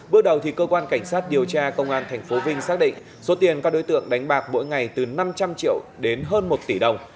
bước đầu cơ quan cảnh sát điều tra công an tp vinh xác định số tiền các đối tượng đánh bạc mỗi ngày từ năm trăm linh triệu đến hơn một tỷ đồng